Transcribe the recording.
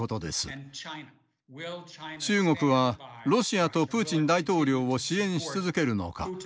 中国はロシアとプーチン大統領を支援し続けるのか。